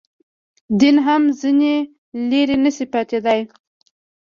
دین هم ځنې لرې نه شي پاتېدای.